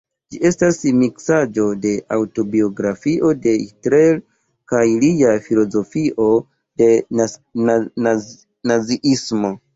Ĝi estas miksaĵo de aŭtobiografio de Hitler kaj lia filozofio de naziismo.